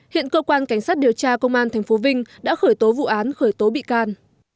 hiện cơ quan cảnh sát điều tra công an tp vinh đã khởi tố vụ án khởi tố bị can